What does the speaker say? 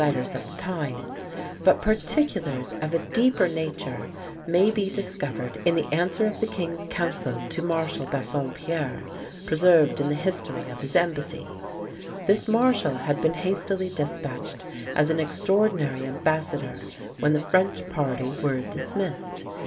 letters of the times; but particulars of a deeper nature may be discovered in the answer of the king's council to Marshal Bassompierre, preserved in the history of his embassy; this marshal had been hastily despatched as an extraordinary ambassador when the French party were dismissed.